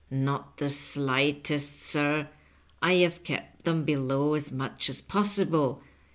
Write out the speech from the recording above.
'^" Kot the slightest, sin I have kept them below as much as possible.